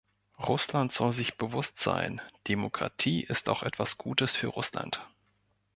Russland soll sich bewusst sein, Demokratie ist auch etwas Gutes für Russland!